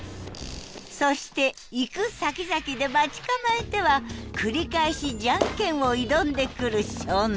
そして行くさきざきで待ち構えては繰り返し「ジャンケン」を挑んでくる少年。